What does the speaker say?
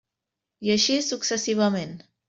I així successivament.